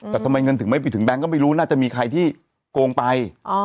แต่ทำไมเงินถึงไม่ไปถึงแก๊งก็ไม่รู้น่าจะมีใครที่โกงไป